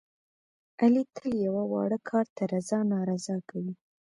علي تل یوه واړه کار ته رضا نارضا کوي.